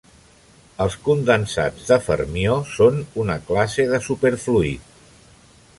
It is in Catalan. Els condensats de fermió són una classe de superfluid.